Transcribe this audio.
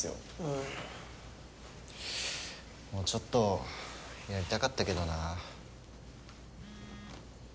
もうちょっとやりたかったけどな。